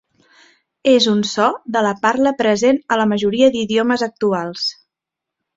És un so de la parla present a la majoria d'idiomes actuals.